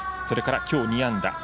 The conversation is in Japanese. それからきょう２安打。